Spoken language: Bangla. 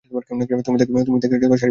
তুমিই তাকে শাড়ি পরতে বলেছিলে!